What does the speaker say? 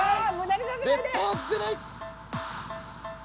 絶対外せない！